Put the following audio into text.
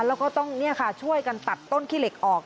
แล้วก็ต้องช่วยกันตัดต้นขี้เหล็กออก